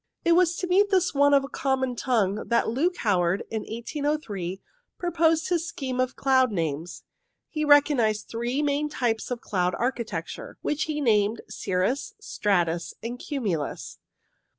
It was to meet this want of a common tongue that Luke Howard, in 1803, proposed his scheme of cloud names. He recognized three main types of cloud architecture, which he named Cirrus, Stratus, and Cumulus.